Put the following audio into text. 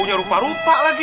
baunya rupa rupa lagi